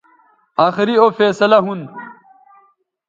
آخری او فیصلہ ھون